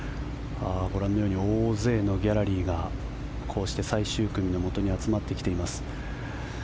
ご覧のように大勢のギャラリーがこうして最終組のもとに集まってきています。